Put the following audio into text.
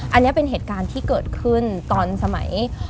อันนี้เป็นเหตุการณ์ที่เกิดขึ้นตอนสมัย